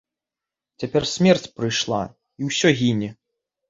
Цяпер смерць прыйшла, і ўсё гіне.